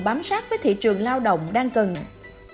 bám sát với thị trường lao động đang cần